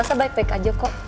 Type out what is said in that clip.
elsa baik baik aja kok